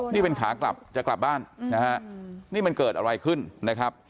นี่เป็นขากลับจะกลับบ้านนะฮะนี่มันเกิดอะไรขึ้นนะครับ